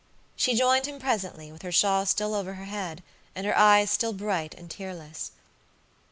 She joined him presently, with her shawl still over her head, and her eyes still bright and tearless.